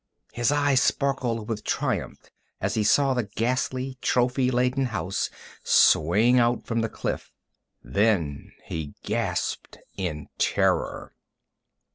His eyes sparkled with triumph as he saw the ghastly, trophy laden house swing out from the cliff. Then he gasped in terror.